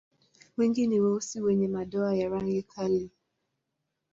Wengi ni weusi wenye madoa ya rangi kali.